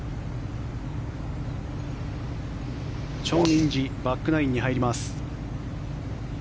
チョン・インジバックナインに入ります。